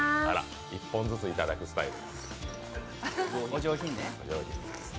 １本ずついただくスタイル、お上品に。